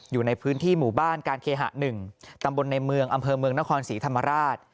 อยู่ในพื้นที่หมู่บ้านการเคหะ๑ตำบลในเมืองอำเภอเมืองนครศรีธรรมราช